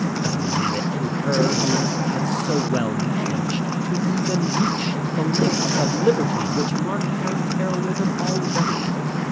better leave it to her who had so well managed to even reach the length of liberty which marked her heroism already.